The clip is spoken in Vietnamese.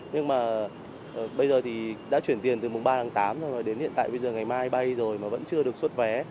nhưng mà bây giờ đã chuyển tiền từ mùng ba tháng tám đến hiện tại bây giờ ngày mai bay rồi mà vẫn chưa được xuất vé